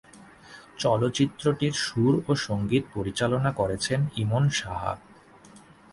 চলচ্চিত্রটির সুর ও সঙ্গীত পরিচালনা করেছেন ইমন সাহা।